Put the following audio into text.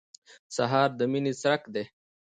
سهار د مینې څرک دی.